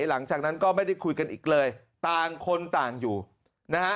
หลังจากนั้นก็ไม่ได้คุยกันอีกเลยต่างคนต่างอยู่นะฮะ